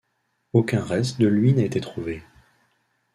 Aucun reste de lui n'a été trouvé.